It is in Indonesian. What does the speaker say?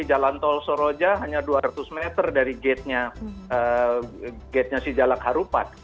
jalan tol soroja hanya dua ratus meter dari gate nya sejalak harupat